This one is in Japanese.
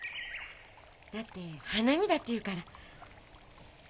だって花見だっていうから。